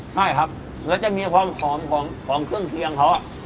ใช่ครับแล้วจะมีความหอมของเครื่องเคียงเขา